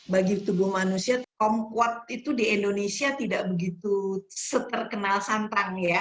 bagi tubuh manusia kompuat itu di indonesia tidak begitu seterkenal santang ya